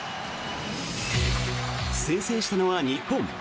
先制したのは日本。